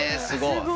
すごい。